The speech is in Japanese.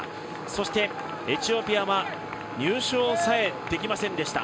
そしてエチオピアは入賞さえできませんでした。